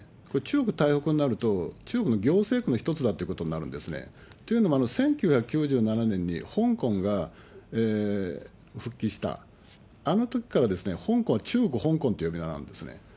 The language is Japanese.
これ、中国台北になると、中国の行政府の一つだってことになるんですね。というのも、１９９７年に香港が復帰した、あのときから香港は中国香港という呼び名なんですね。